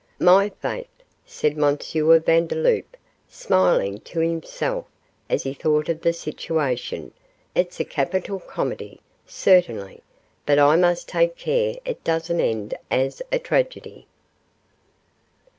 'My faith,' said M. Vandeloup, smiling to himself as he thought of the situation, 'it's a capital comedy, certainly; but I must take care it doesn't end as a tragedy.